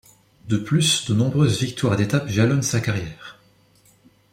De plus, de nombreuses victoires d'étapes jalonnent sa carrière.